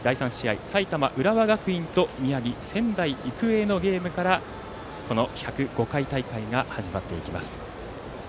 第３試合、埼玉・浦和学院宮城・仙台育英のゲームからこの１０５回大会が始まっていきます。